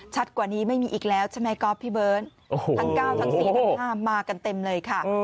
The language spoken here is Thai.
กว่านี้ไม่มีอีกแล้วใช่ไหมก๊อฟพี่เบิร์ตทั้ง๙ทั้ง๔ทั้ง๕มากันเต็มเลยค่ะ